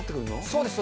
そうです。